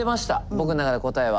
僕の中で答えは。